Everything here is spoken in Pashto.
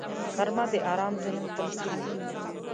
غرمه د آرام ذهن تمثیل دی